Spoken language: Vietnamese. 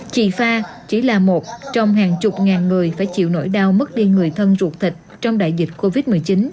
chị pha chỉ là một trong hàng chục ngàn người phải chịu nỗi đau mất đi người thân ruột thịt trong đại dịch covid một mươi chín